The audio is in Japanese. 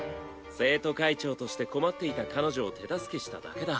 生徒会長として困っていた彼女を手助けしただけだ。